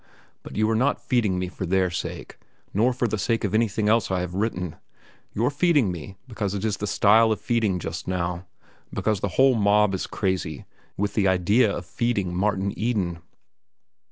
But you are not feeding me for their sake, nor for the sake of anything else I have written. You're feeding me because it is the style of feeding just now, because the whole mob is crazy with the idea of feeding Martin Eden.